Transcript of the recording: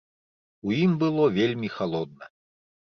У ім было вельмі халодна.